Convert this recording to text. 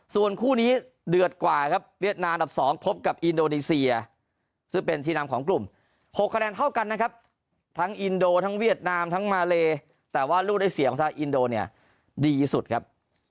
ส่วนคู่นี้เดือดกว่าครับเวียดนามดับ๒พบกับอินโดนีเซียซึ่งเป็นที่นำของกลุ่ม๖คะแนนเท่ากันนะครับทั้งอินโดทั้งเวียดนามทั้งมาเลแต่ว่าลูกได้เสียงของทางอินโดเนี่ยดีสุดครับ